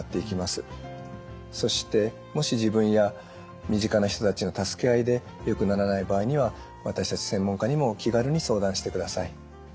そしてもし自分や身近な人たちの助け合いでよくならない場合には私たち専門家にも気軽に相談してください。